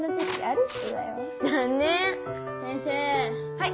はい。